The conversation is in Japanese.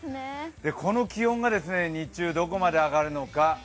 この気温が日中どこまで上がるのか。